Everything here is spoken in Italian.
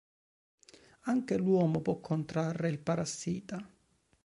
Anche l'uomo può contrarre il parassita.